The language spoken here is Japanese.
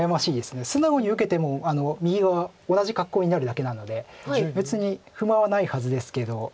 素直に受けても右側同じ格好になるだけなので別に不満はないはずですけど。